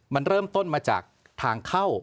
มันเริ่มต้นมาจากทางเข้า